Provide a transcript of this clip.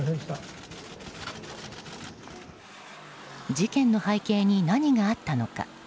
事件の背景に何があったのか。